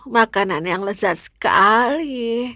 makanan yang lezat sekali